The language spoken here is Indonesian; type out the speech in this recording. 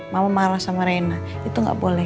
mama marah sama reina itu nggak boleh